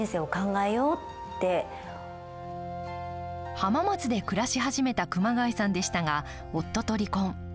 浜松で暮らし始めた熊谷さんでしたが、夫と離婚。